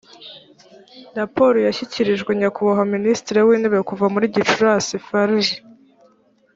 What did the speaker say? raporo yashyikirijwe nyakubahwa minisitiri w intebe kuva muri gicurasi farg